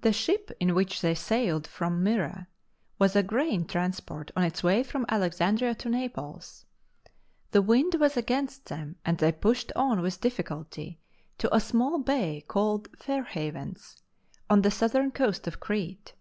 The ship in which they safied from Myra was a grain transport on its way from Alex andria to Naples. The wind was against them and they pushed on with difficulty to a small bay called Fair Havens, on the southern coast of Crete.